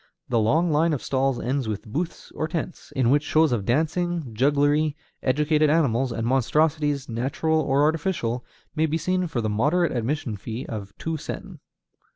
The long line of stalls ends with booths, or tents, in which shows of dancing, jugglery, educated animals, and monstrosities, natural or artificial, may be seen for the moderate admission fee of two sen.